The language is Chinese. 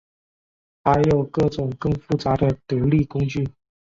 还有各种更复杂的独立工具。